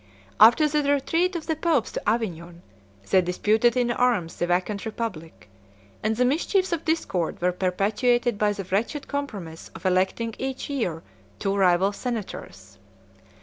107 After the retreat of the popes to Avignon they disputed in arms the vacant republic; and the mischiefs of discord were perpetuated by the wretched compromise of electing each year two rival senators.